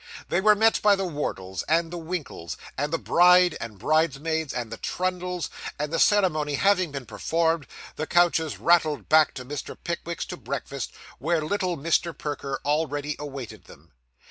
They were met by the Wardles, and the Winkles, and the bride and bridesmaids, and the Trundles; and the ceremony having been performed, the coaches rattled back to Mr. Pickwick's to breakfast, where little Mr. Perker already awaited them.